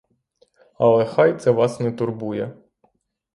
Але хай це вас не турбує.